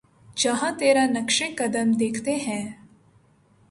جہاں تیرا نقشِ قدم دیکھتے ہیں